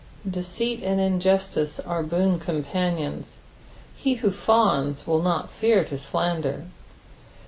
Deceit and injustice are boon companions : he who fawns will not fear to slander.